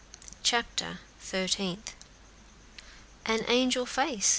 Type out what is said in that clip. CHAPTER THIRTEENTH "An angel face!